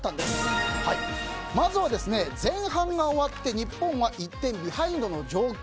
まずは、前半が終わって日本は１点ビハインドの状況。